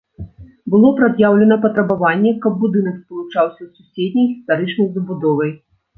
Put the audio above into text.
Было прад'яўлена патрабаванне, каб будынак спалучаўся з суседняй гістарычнай забудовай.